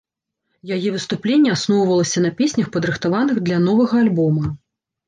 Яе выступленне асноўвалася на песнях, падрыхтаваных для новага альбома.